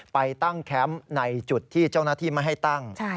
ไปตั้งแคมป์ในจุดที่เจ้าหน้าที่ไม่ให้ตั้ง